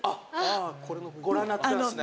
ご覧になってたんですね。